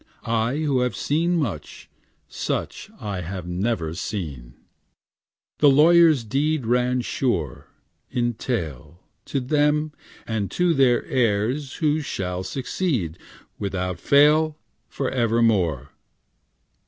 I who have seen much, Such have I never seen. 'The lawyer's deed Ran sure, In tail, To them, and to their heirs Who shall succeed, Without fail, Forevermore.